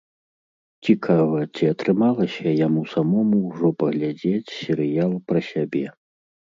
Цікава, ці атрымалася яму самому ўжо паглядзець серыял пра сябе?